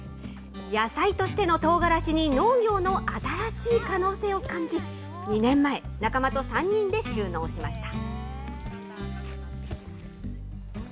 野菜としてのとうがらしに農業の新しい可能性を感じ、２年前、仲間と３人で就農しました。